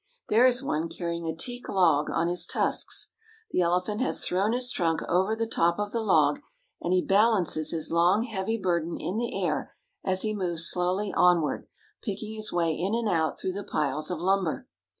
There is one carrying a teak log on his tusks. The elephant has thrown his trunk over the top of the log, and 224 THE WORKING ELEPHANTS IN BURMA he balances his long, heavy burden in the air as he moves slowly onward, picking his way in and out through the piles of lumber.